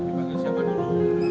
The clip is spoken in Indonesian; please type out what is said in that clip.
ya dipanggil siapa dulu